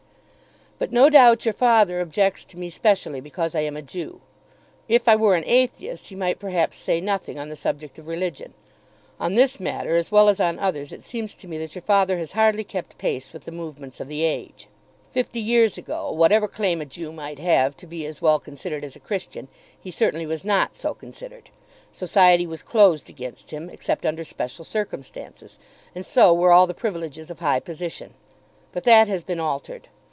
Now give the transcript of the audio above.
But no doubt your father objects to me specially because I am a Jew. If I were an atheist he might, perhaps, say nothing on the subject of religion. On this matter as well as on others it seems to me that your father has hardly kept pace with the movements of the age. Fifty years ago whatever claim a Jew might have to be as well considered as a Christian, he certainly was not so considered. Society was closed against him, except under special circumstances, and so were all the privileges of high position. But that has been altered.